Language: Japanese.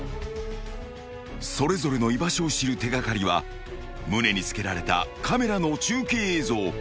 ［それぞれの居場所を知る手掛かりは胸につけられたカメラの中継映像］